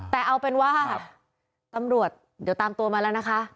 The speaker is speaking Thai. แต่เอาเป็นว่าตำรวจเดี๋ยวตามตัวมาแล้วนะคะ